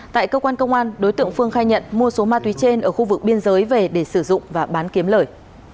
tại cơ quan công an đối tượng phương khai nhận mua số ma túy trên ở khu vực biên giới về để sử dụng và bán kiếm lời